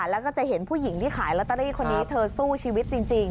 แล้วก็จะเห็นผู้หญิงที่ขายลอตเตอรี่คนนี้เธอสู้ชีวิตจริง